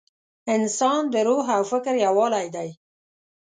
انسان د روح او فکر یووالی دی.